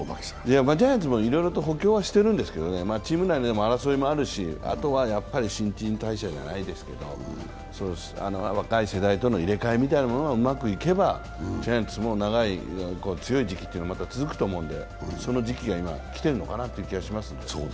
ジャイアンツもいろいろ補強はしているんですけど、あとは新陳代謝じゃないですけど若い世代との入れ換えみたいなものがうまくいけば、ジャイアンツも強い時期が続くと思うのでその時期が今、来てるのかなと思います。